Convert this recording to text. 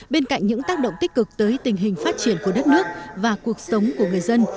bên cạnh những tác động tích cực tới tình hình phát triển của đất nước và cuộc sống của người dân